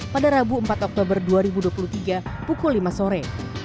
pada rabu empat oktober dua ribu dua puluh tiga pukul lima sore